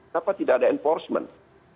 kenapa tidak ada enforcement